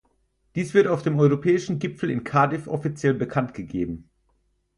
Dies wird auf dem Europäischen Gipfel in Cardiff offiziell bekanntgegeben.